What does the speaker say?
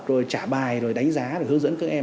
rồi trả bài rồi đánh giá rồi hướng dẫn các em